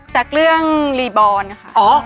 จากเรื่องรีบอร์นค่ะ